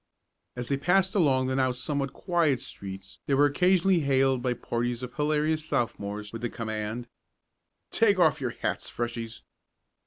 As they passed along the now somewhat quiet streets they were occasionally hailed by parties of hilarious Sophomores with the command: "Take off your hats, Freshies!"